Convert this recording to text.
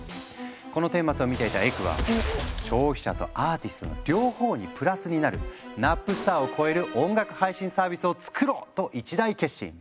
この顛末を見ていたエクは「消費者とアーティストの両方にプラスになるナップスターを超える音楽配信サービスを作ろう！」と一大決心。